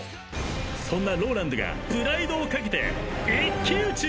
［そんなＲＯＬＡＮＤがプライドを懸けて一騎打ち！］